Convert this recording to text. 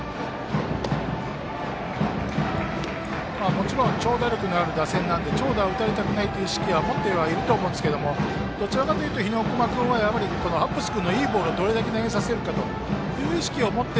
もちろん長打力のある打線なので長打を打たれたくないという意識は持っていると思いますがどちらかというと日隈君は、ハッブス君のいいボールをどれだけ投げさせるかという意識を持って